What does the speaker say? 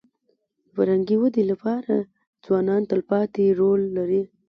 د فرهنګي ودې لپاره ځوانان تلپاتې رول لري.